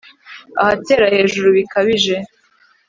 ahatera hejuru bikabije